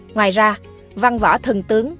ngoài ra văn võ thần tướng